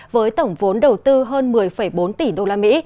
với tổng vốn đầu tư hơn một mươi bốn tỷ usd